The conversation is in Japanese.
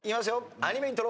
アニメイントロ。